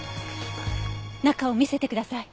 中を見せてください。